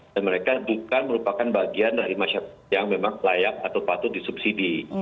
dan mereka bukan merupakan bagian dari masyarakat yang memang layak atau patut disubsidi